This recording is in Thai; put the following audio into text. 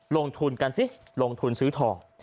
ลงทุนกันสิลงทุนซื้อทอง